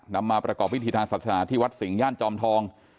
นำมาประกอบพิธีทางศาสนาที่วัดสิงหย่านจอมทอง